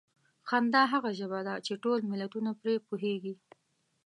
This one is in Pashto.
خندا هغه ژبه ده چې ټول ملتونه پرې پوهېږي.